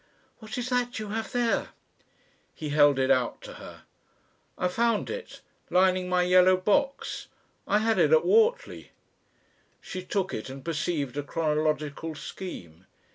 "What is that you have there?" He held it out to her. "I found it lining my yellow box. I had it at Whortley." She took it and perceived a chronological scheme.